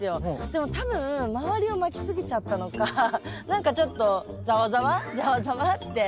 でも多分周りをまきすぎちゃったのか何かちょっとザワザワザワザワって。